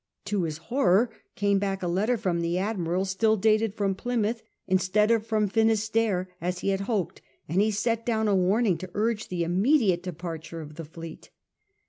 To his horror came back a letter from the Admiral still dated from Plymouth, instead of from Finisterre, as he had hoped, and he sent down a warning to urge the immediate departure of the fleet.